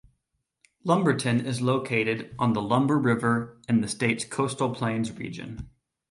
Lumberton is located on the Lumber River in the state's Coastal Plains region.